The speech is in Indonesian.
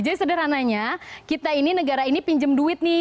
jadi sederhananya kita ini negara ini pinjem duit nih